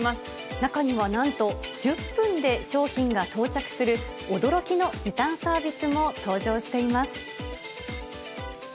中にはなんと１０分で商品が到着する驚きの時短サービスも登場しています。